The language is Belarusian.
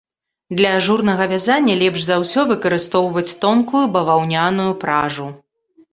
Для ажурнага вязання лепш за ўсе выкарыстоўваць тонкую баваўняную пражу.